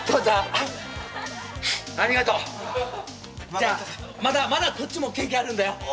じゃあまだまだこっちもケーキあるんだよ。